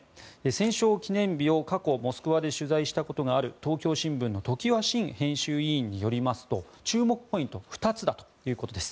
戦勝記念日を過去モスクワで取材したことがある東京新聞の常盤伸編集委員によりますと注目ポイント２つだということです。